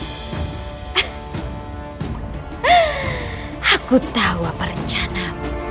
raja aku tahu apa rencana